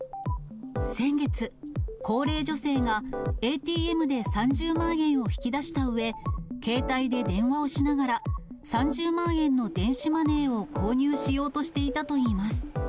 先月、高齢女性がＡＴＭで３０万円を引き出したうえ、携帯で電話をしながら、３０万円の電子マネーを購入しようとしていたといいます。